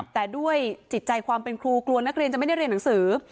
แต่ด้วยจิตใจความเป็นครูกลัวนักเรียนจะไม่ได้เรียนหนังสือ